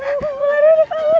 ularnya kabur ularnya kabur